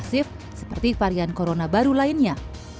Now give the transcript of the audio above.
tapi masih lebih masif seperti varian corona baru lainnya